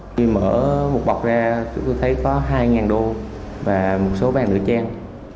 khi mở một bọc ra chúng tôi thấy có hai đô và một số vàng nữ trang